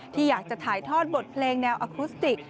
ที่อยากจะถ่ายทอดบทเพลงแนวอคุสติ